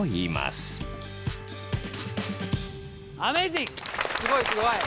すごいすごい。